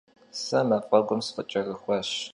Se maf'egum sıkhıç'erıxuaş.